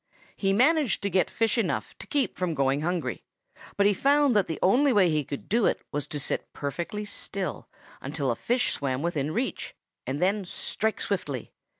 He managed to get fish enough to keep from going hungry, but he found that the only way he could do it was to sit perfectly still until a fish swam within reach and then strike swiftly.